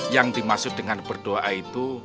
yang dimaksud dengan berdoa itu